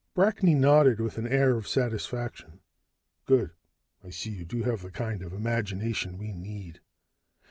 Brackney nodded with an air of satisfaction. "Good. I see you do have the kind of imagination we need.